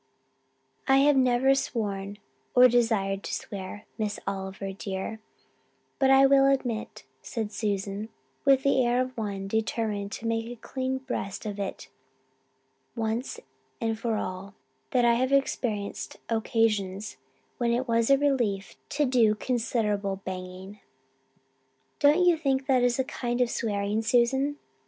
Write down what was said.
"I have never sworn or desired to swear, Miss Oliver dear, but I will admit," said Susan, with the air of one determined to make a clean breast of it once and for all, "that I have experienced occasions when it was a relief to do considerable banging." "Don't you think that is a kind of swearing, Susan?